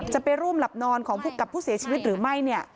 จะไปร่วมหลับนอนของกับผู้เสียชีวิตหรือไม่